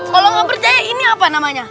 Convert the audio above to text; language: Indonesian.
kalau gak berjaya ini apa namanya